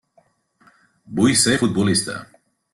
'Vull ser futbolista'.